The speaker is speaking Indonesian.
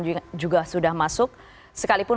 juga sudah masuk sekalipun